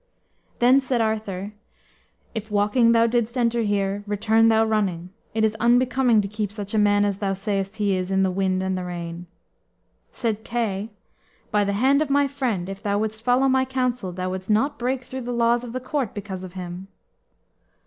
Then said Arthur: "If walking thou didst enter here, return thou running. It is unbecoming to keep such a man as thou sayest he is in the wind and the rain." Said Kay: "By the hand of my friend, if thou wouldst follow my counsel, thou wouldst not break through the laws of the court because of him."